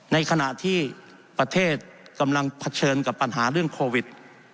ในขณะที่ประเทศกำลังเผชิญกับปัญหาเรื่องโควิด